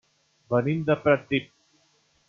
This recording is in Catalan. Venim de Pratdip.